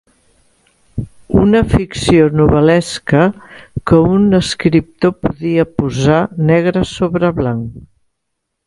Una ficció novel·lesca que un escriptor podia posar negre sobre blanc.